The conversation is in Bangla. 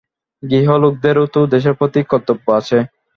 গৃহী লোকদেরও তো দেশের প্রতি কর্তব্য আছে।